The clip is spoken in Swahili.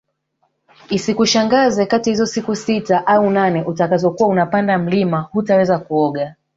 Isikushangaze kati ya hizo siku sita au nane utakazo kuwa unapanda mlima hutaweza kuoga